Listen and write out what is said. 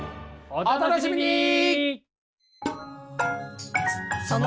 お楽しみに！